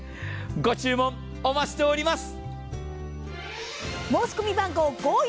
ご注文お待ちしております。